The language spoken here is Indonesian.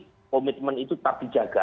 ini komitmen itu tak dijaga